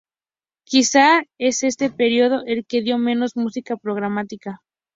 Quizás es este periodo el que dio menos música programática.